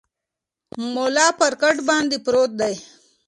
ملا پر کټ باندې پروت دی.